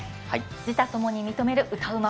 自他ともに認める歌うま